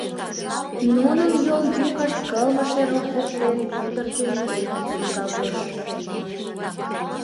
Нунын йол йӱкышт кылмыше рок воктен мӱндыркӧ-мӱндыркӧ сургалтеш.